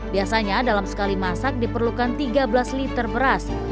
biasanya dalam sekali masak diperlukan tiga belas liter beras